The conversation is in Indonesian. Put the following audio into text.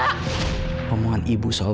pemohon ibu soal golongan darahnya b